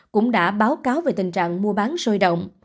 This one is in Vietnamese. cũng đã báo cáo về tình trạng mua bán sôi động